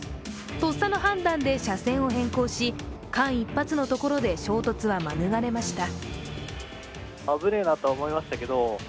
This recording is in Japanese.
とっさの判断で車線を変更し間一髪のところで衝突は免れました。